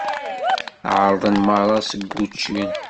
Ԑerḍen merra seg wučči.